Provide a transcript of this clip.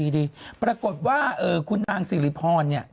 ดีปรากฏว่าคุณนางสิริพรเนี่ย